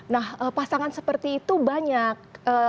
nah pasangan seperti itu banyak